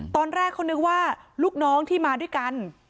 ตอนแรกเขานึกว่าลูกน้องที่มาด้วยกัน